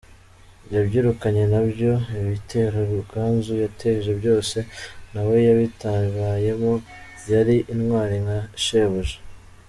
Yabyirukanye nabyo, ibitero Ruganzu yateje byose, na we yabitabayemo, yari intwari nka shebuja.